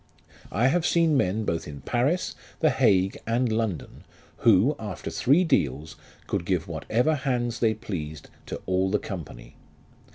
I have seen men both in Paris, the Hague, und London, who, after three deals, could give whatever hands they pleased to all the company.